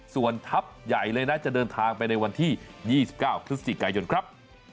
ส่วนทัพใหญ่เลยนะจะเดินทางไปในวันที่๒๙พฤศจิกายนครับ